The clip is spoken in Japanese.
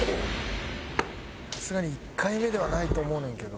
さすがに１回目ではないと思うねんけど。